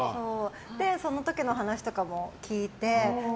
その時の話とかも聞いて。